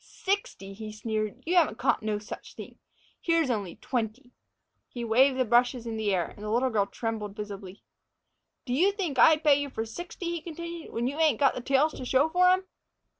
"Sixty!" he sneered. "You haven't caught no such thing! Here's only twenty." He waved the brushes in the air, and the little girl trembled visibly. "Did you think I'd pay you for sixty," he continued, "when you ain't got the tails to show for 'em?"